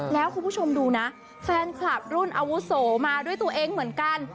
แล้วคุณผู้ชมดูนะแฟนคลับรุ่นอาวุโสมาด้วยตัวเองเหมือนกัน